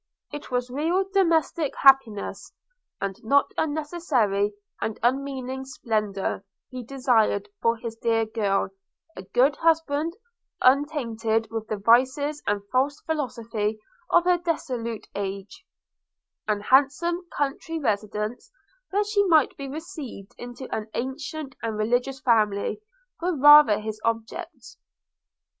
It was real domestic happiness, and not unnecessary and unmeaning splendour, he desired for his dear girl – a good husband untainted with the vices and false philosophy of a dissolute age – an handsome country residence, where she might be received into an ancient and religious family – were rather his objects.